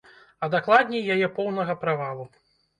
А дакладней, яе поўнага правалу.